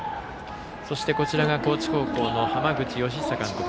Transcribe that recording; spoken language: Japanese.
そして高知高校の浜口佳久監督。